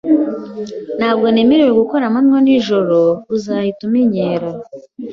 "Ntabwo namenyereye gukora amanywa n'ijoro." "Uzahita umenyera."